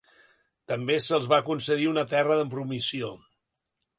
També se'ls va concedir una terra de promissió.